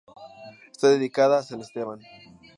Está dedicada a San Esteban.